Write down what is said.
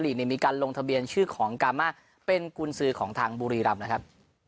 มีการลงทะเบียนชื่อของกามาเป็นกุญสือของทางบุรีรำนะครับ